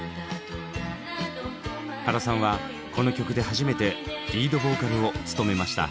原さんはこの曲で初めてリードボーカルを務めました。